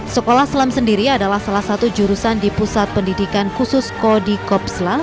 sekolah selam sendiri adalah salah satu jurusan di pusat pendidikan khusus kodi kopsla